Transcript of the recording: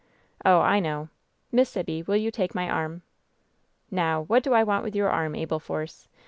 "Oh, I know. Miss Sibby, will you take my arm V* "NoWj what do I want with your arm, Abel Force?